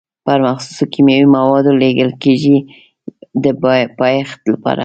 پر مخصوصو کیمیاوي موادو لړل کېږي د پایښت لپاره.